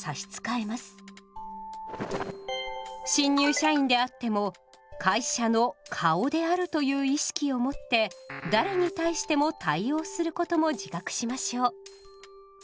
新入社員であっても会社の顔であるという意識をもって誰に対しても対応することも自覚しましょう。